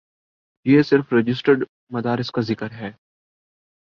یہ صرف رجسٹرڈ مدارس کا ذکر ہے۔